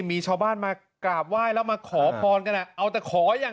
มีชาวบ้านมากราบไหว้แล้วมาของพรกัน